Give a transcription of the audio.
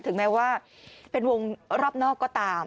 ถึงแม้ว่าเป็นวงรอบนอกก็ตาม